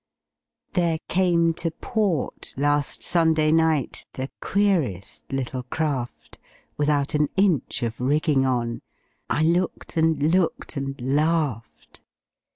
There came to port last Sunday night The queerest little craft, Without an inch of rigging on; I looked and looked and laughed.